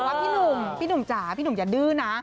ว่าพี่หนุ่มพี่หนุ่มจ๋าพี่หนุ่มอย่าดื้อนะ